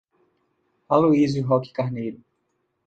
Aloizio Roque Carneiro